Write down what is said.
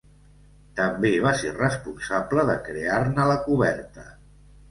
També va ser responsable de crear-ne la coberta.